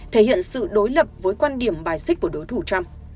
thể hiện sự đối lập với quan điểm bài xích của đối thủ trump